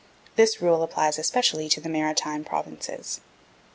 This rule applies especially to the Maritime Provinces.